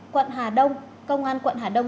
quận hà đông công an quận hà đông